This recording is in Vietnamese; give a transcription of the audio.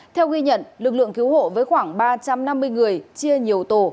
theo ghi nhận lực lượng cứu hộ với khoảng ba trăm năm mươi người chia nhiều tổ